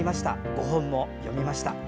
ご本も読みました。